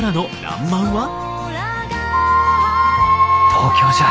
東京じゃ。